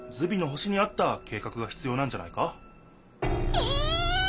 え！？